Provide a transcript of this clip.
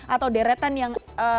atau deretan yang